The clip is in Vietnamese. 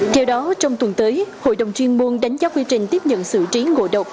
theo đó trong tuần tới hội đồng chuyên môn đánh giá quy trình tiếp nhận xử trí ngộ độc